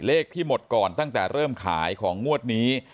ที่หมดก่อนตั้งแต่เริ่มขายของงวดนี้